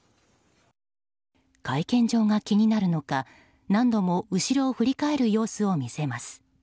会見場が気になるのか、何度も後ろを振り返る様子を見せます。